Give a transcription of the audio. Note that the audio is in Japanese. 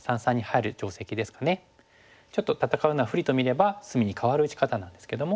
ちょっと戦うのは不利と見れば隅にかわる打ち方なんですけども。